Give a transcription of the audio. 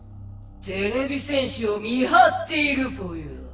てれび戦士を見はっているぽよ。